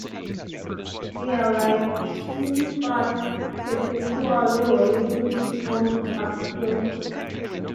We are like Sisyphus perpetually rolling his stone uphill.